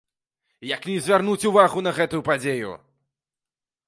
Як не звярнуць увагу на гэтую падзею!